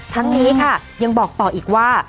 ทั้งนี้ค่ะยังบอกต่ออีกว่า